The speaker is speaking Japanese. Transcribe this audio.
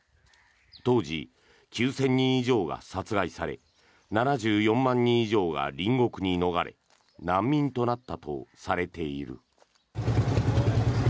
当時、９０００人以上が殺害され７４万人以上が隣国に逃れ難民となったとされている。